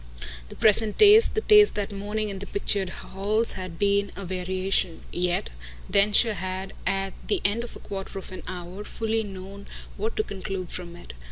The present taste, the taste that morning in the pictured halls, had been a variation; yet Densher had at the end of a quarter of an hour fully known what to conclude from it.